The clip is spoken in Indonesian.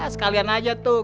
sekalian aja tuh